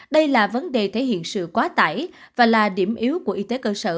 đây là vấn đề thể hiện sự quá tải và là điểm yếu của y tế cơ sở